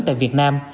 tại việt nam